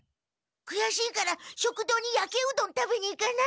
くやしいから食堂にやけうどん食べに行かない？